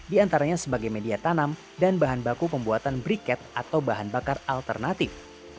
di antaranya sebagai media tanam dan bahan baku pembuatan briket atau bahan bakar alternatif